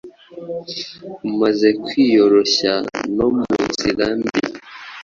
Umaze kwiyoroshya, no munzira mbi